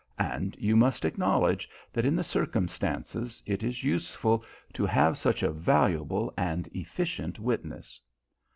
And you must acknowledge that in the circumstances it is useful to have such a valuable and efficient witness.